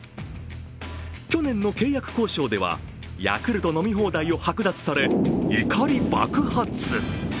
去年の契約交渉では、ヤクルト飲み放題をはく奪され、怒り爆発。